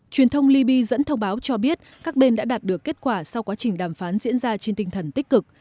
truyền thông libya dẫn thông báo cho biết các bên đã đạt được kết quả sau quá trình đàm phán diễn ra trên tinh thần tích cực